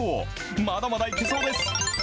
まだまだ行けそうです。